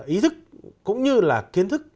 ý thức cũng như là kiến thức